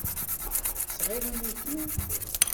Tesɛiḍ amuṭu?